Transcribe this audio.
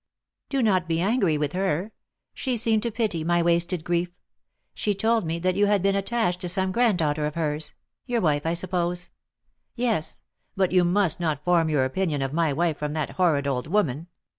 " Do not be angry with her. She seemed to pity my wasted grief. She told me that you had been attached to some grand daughter of hers. Your wife, I suppose." " Yes. But you must not form your opinion of my wife from that horrid old woman.